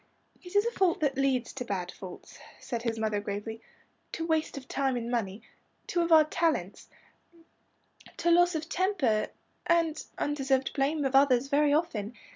"It is a fault that leads to bad faults," said his mother gravely, "to waste of time and money two of our 'talents' to loss of temper, and undeserved blame of others, very often.